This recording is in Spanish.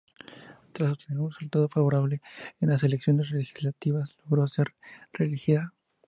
Tras obtener un resultado favorable en las elecciones legislativas, logró ser reelegida.